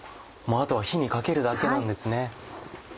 あとは火にかけるだけなんですね。